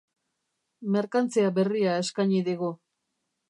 Merkantzia berria eskaini digu.